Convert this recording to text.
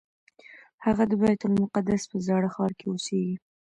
هغه د بیت المقدس په زاړه ښار کې اوسېږي.